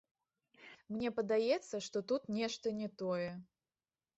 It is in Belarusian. Мне падаецца, што тут нешта не тое.